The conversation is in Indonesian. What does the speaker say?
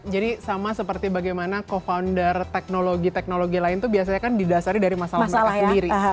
jadi sama seperti bagaimana co founder teknologi teknologi lain itu biasanya kan didasari dari masalah masalah sendiri